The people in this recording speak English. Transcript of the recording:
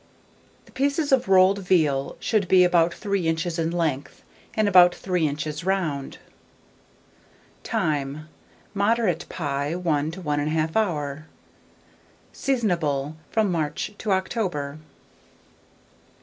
The pieces of rolled veal should be about 3 inches in length, and about 3 inches round. Time. Moderate sized pie, 1 to 1 1/2 hour. Seasonable from March to October.